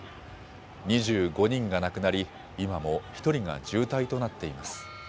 ２５人が亡くなり、今も１人が重体となっています。